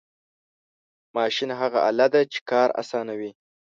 ماشین هغه آله ده چې کار آسانوي.